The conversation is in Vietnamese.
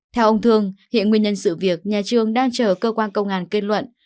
theo ông thương hiện nguyên nhân sự việc nhà trường đang chờ cơ quan công an kết luận